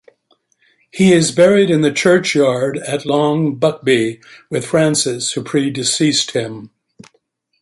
He is buried in the churchyard at Long Buckby, with Frances, who pre-deceased him.